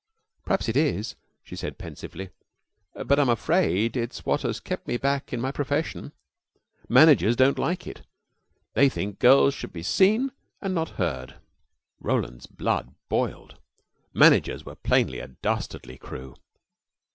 "P'raps it is," she said pensively, "but I'm afraid it's what has kept me back in my profession. Managers don't like it: they think girls should be seen and not heard." Roland's blood boiled. Managers were plainly a dastardly crew.